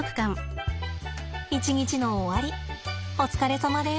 一日の終わりお疲れさまです。